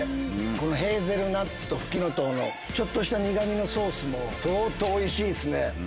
このヘーゼルナッツと蕗の薹の、ちょっとした苦みのソースも、相当おいしいですね。